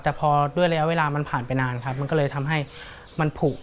แต่พอด้วยระยะเวลามันผ่านไปนานครับมันก็เลยทำให้มันผูก